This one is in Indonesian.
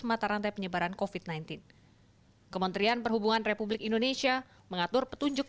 mata rantai penyebaran kofit sembilan belas kementerian perhubungan republik indonesia mengatur petunjuk